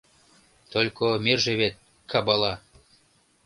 Только мерже вет — кабала!